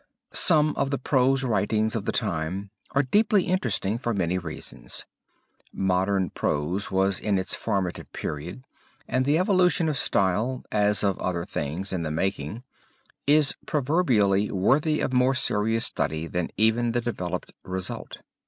Some of the prose writings of the time are deeply interesting for many reasons. Modern prose was in its formative period, and the evolution of style, as of other things in the making, is proverbially worthy of more serious study than even the developed result.